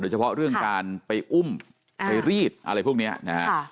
เฉพาะเรื่องการไปอุ้มไปรีดอะไรพวกนี้นะฮะ